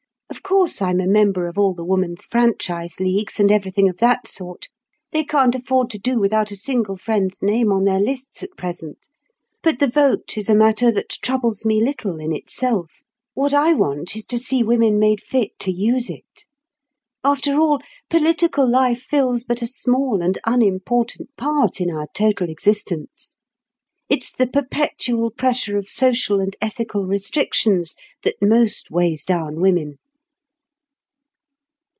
Of course I'm a member of all the woman's franchise leagues and everything of that sort—they can't afford to do without a single friend's name on their lists at present; but the vote is a matter that troubles me little in itself, what I want is to see women made fit to use it. After all, political life fills but a small and unimportant part in our total existence. It's the perpetual pressure of social and ethical restrictions that most weighs down women."